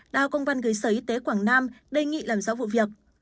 đào công văn gửi sở y tế quảng nam đề nghị làm rõ vụ việc